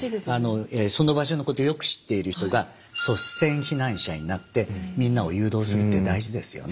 その場所のことよく知っている人が率先避難者になってみんなを誘導するって大事ですよね。